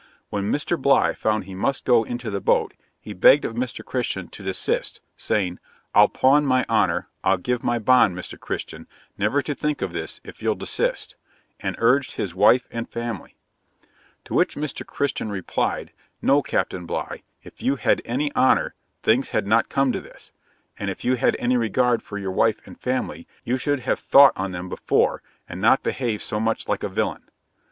'When Mr. Bligh found he must go into the boat, he begged of Mr. Christian to desist, saying "I'll pawn my honour, I'll give my bond, Mr. Christian, never to think of this, if you'll desist," and urged his wife and family; to which Mr. Christian replied, "No, Captain Bligh, if you had any honour, things had not come to this; and if you had any regard for your wife and family, you should have thought on them before, and not behaved so much like a villain."